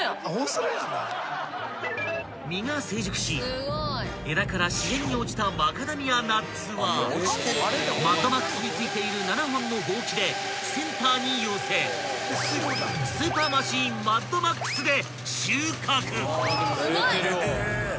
［実が成熟し枝から自然に落ちたマカダミアナッツはマッドマックスに付いている７本のほうきでセンターに寄せスーパーマシンマッドマックスで］